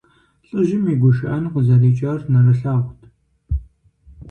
ЛӀыжьым и гушыӀэн къызэрикӀар нэрылъагъут.